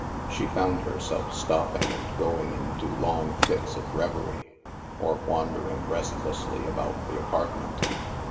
She found herself stopping and going into long fits of reverie, or wandering restlessly about the apart ment.